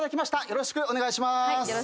よろしくお願いします。